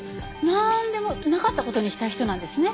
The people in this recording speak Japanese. なんでもなかった事にしたい人なんですね。